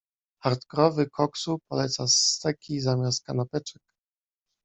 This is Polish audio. Hardkorowy koksu poleca steki zamiast kanapeczek.